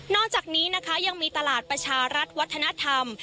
อกจากนี้นะคะยังมีตลาดประชารัฐวัฒนธรรม